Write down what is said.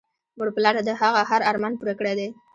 مور پلار د هغه هر ارمان پوره کړی دی